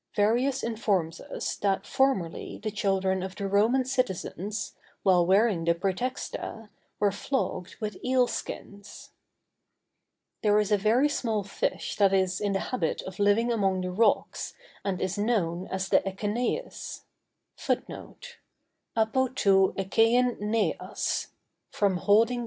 Verrius informs us that formerly the children of the Roman citizens, while wearing the prætexta, were flogged with eel skins. There is a very small fish that is in the habit of living among the rocks, and is known as the echeneis.